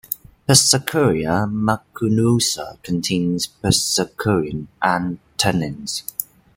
"Persicaria maculosa" contains persicarin and tannins.